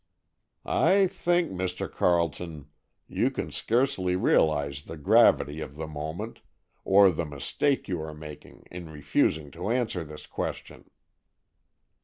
"I think, Mr. Carleton, you can scarcely realize the gravity of the moment, or the mistake you are making in refusing to answer this question."